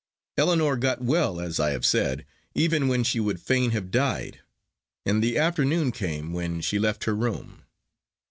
Ellinor got well, as I have said, even when she would fain have died. And the afternoon came when she left her room.